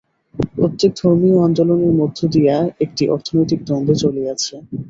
প্রত্যেক ধর্মীয় আন্দোলনের মধ্য দিয়া একটি অর্থনৈতিক দ্বন্দ্ব চলিয়াছে।